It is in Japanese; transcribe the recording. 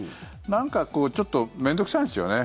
なんか、こうちょっと面倒臭いんですよね。